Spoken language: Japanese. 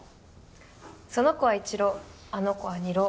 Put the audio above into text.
その子は一浪あの子は二浪